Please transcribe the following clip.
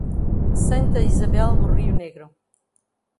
Santa Isabel do Rio Negro